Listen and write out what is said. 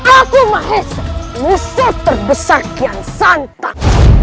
aku mahesa musuh terbesar kian santan